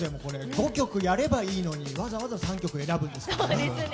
５曲やればいいのにわざわざ３曲選ぶんですからね。